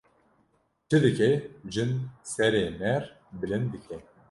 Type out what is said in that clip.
Çi dike jin serê mêr bilind dike